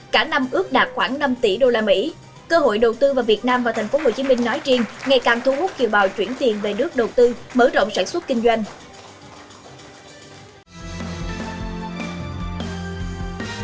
cả năm ước đạt khoảng năm tỷ usd cơ hội đầu tư vào việt nam và tp hcm nói riêng ngày càng thu hút kiều bào chuyển tiền về nước đầu tư mở rộng sản xuất kinh doanh